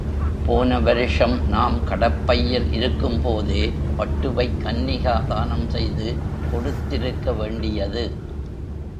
போன வருஷம் நாம் கடப்பையில் இருக்கும் போதே பட்டுவைக் கன்னிகாதானம் செய்து கொடுத்திருக்க வேண்டியது.